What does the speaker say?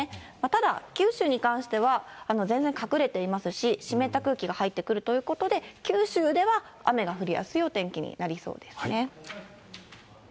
ただ、九州に関しては、全然隠れていますし、湿った空気が入ってくるということで、九州では雨が降りやすいお天気になりそうですね。